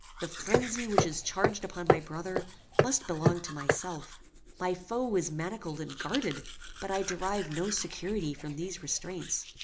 The phrenzy which is charged upon my brother, must belong to myself. My foe is manacled and guarded; but I derive no security from these restraints.